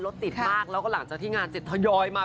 ดิฉันใก็ตกตายอ่ะย